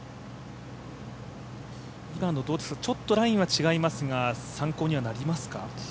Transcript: ちょっとラインは違いますが参考にはなりますか？